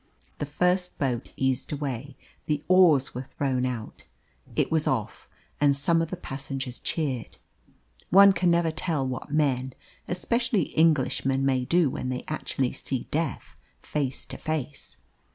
The first boat eased away. The oars were thrown out. It was off, and some of the passengers cheered. One can never tell what men, especially Englishmen, may do when they actually see death face to face.